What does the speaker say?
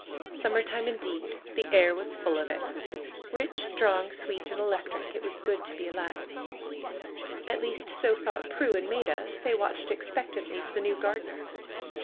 Summer time indeed ! The air was full of it ! Rich, strong, sweet and electric ! It was good to be alive ! 180 PRUE'S GARDENER At least so thought Prue and Maida, as they watched expectantly for the new gardener.